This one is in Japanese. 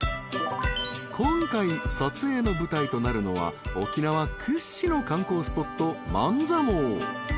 ［今回撮影の舞台となるのは沖縄屈指の観光スポット万座毛］